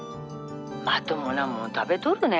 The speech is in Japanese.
まともなもん食べとるね？